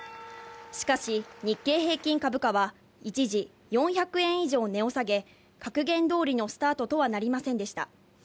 しかし日経平均株価は一時４００円以上値を下げ、格言通りのスタートとはなりませんでした。